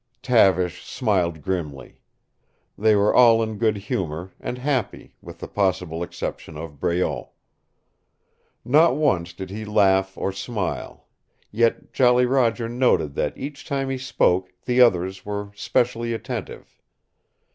Tavish smiled grimly. They were all in good humor, and happy, with the possible exception of Breault. Not once did he laugh or smile. Yet Jolly Roger noted that each time he spoke the others were specially attentive.